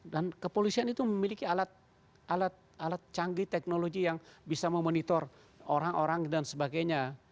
dan kepolisian itu memiliki alat canggih teknologi yang bisa memonitor orang orang dan sebagainya